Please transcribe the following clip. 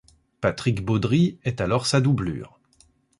Patrick Baudry est alors sa doublure.